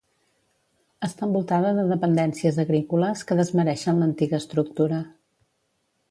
Està envoltada de dependències agrícoles que desmereixen l'antiga estructura.